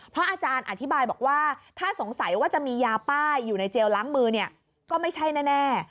เพราะอาจารย์อธิบายบอกว่าถ้าสงสัยว่าจะมียาป้ายอยู่ในเจลล้างมือเนี่ยก็ไม่ใช่แน่